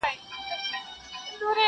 تا ګټلی ما بایللی جنګ هغه د سترګو جنګ دی,